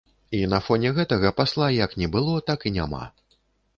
І на фоне гэтага пасла як не было, так і няма.